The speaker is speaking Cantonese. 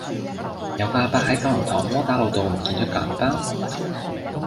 有個亞伯喺九龍塘窩打老道唔見左個銀包